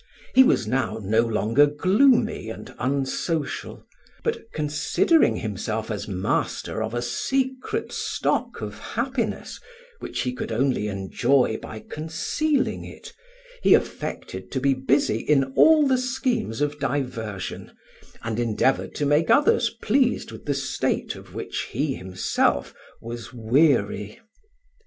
He was now no longer gloomy and unsocial; but considering himself as master of a secret stock of happiness, which he could only enjoy by concealing it, he affected to be busy in all the schemes of diversion, and endeavoured to make others pleased with the state of which he himself was weary.